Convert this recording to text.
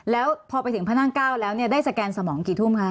แล้วพอไปถึงพระนั่ง๙แล้วได้สแกนสมองกี่ทุ่มคะ